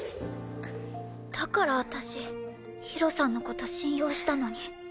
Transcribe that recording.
だから私ひろさんの事信用したのに。